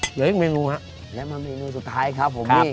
เหลืออีกเมนูฮะและมาเมนูสุดท้ายครับผมนี่